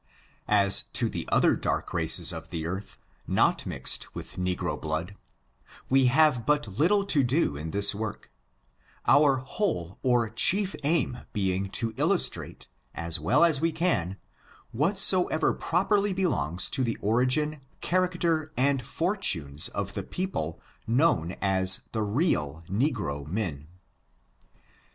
As to the other dark races of the earth, not mixed with negro blood, we have but little to do in this work ; our whole or chief aim being to illustrate, as well as we can, whatsoever properly belongs to the origin, character and fortunes of the people known as the real negro men.